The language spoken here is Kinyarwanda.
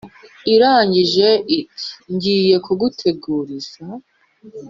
Irangije iti “Ngiye kuguteguriza”